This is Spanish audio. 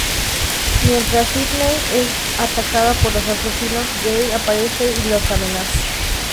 Mientras Sidney es atacada por los asesinos, Gale aparece y los amenaza.